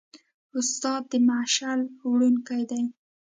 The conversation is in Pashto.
استاد د مشعل وړونکی دی.